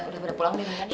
udah pulang deh